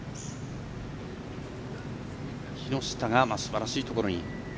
木下がすばらしいところに。